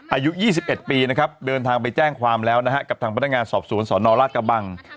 อายุ๒๑ปีนะครับเดินทางไปแจ้งความแล้วนะฮะกับทางพนักงานสอบสวนสนราชกระบัง